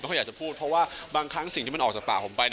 เขาอยากจะพูดเพราะว่าบางครั้งสิ่งที่มันออกจากป่าผมไป